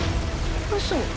うそ。